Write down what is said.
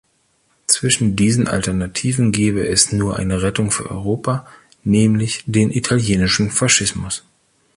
Zwischen diesen Alternativen gäbe es nur eine Rettung für Europa, nämlich den italienischen Faschismus.